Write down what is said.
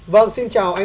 vâng xin chào anh